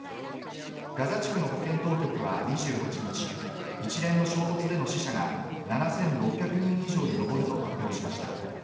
ガザ地区の保健当局は２８日、一連の衝突での死者が７６００人以上に上ると発表しました。